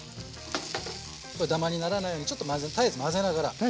ダマにならないように絶えず混ぜながら。